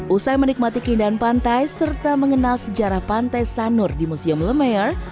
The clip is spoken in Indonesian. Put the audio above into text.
usai menikmati keindahan pantai serta mengenal sejarah pantai sanur di museum lemear